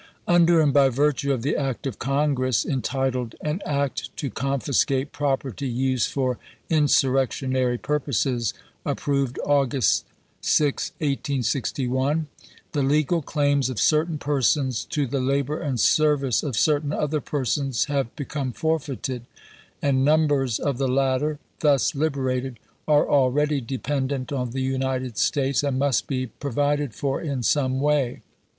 Under and by virtue of the act of Congress entitled "An Act to Confiscate Property used for Insurrectionary Pur poses," approved August 6, 1861, the legal claims of certain persons to the labor and service of certain other persons have become forfeited; and numbers of the latter, thus liberated, are already dependent on the United States, and must he provided for in some way.